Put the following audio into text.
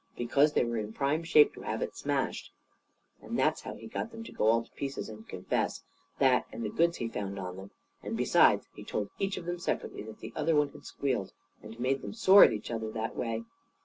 Because they were in prime shape to have it smashed. And that's how he got them to go all to pieces and confess. That and the goods he found on them. And, besides, he told each of them separately that the other one had squealed; and made them sore on each other that way.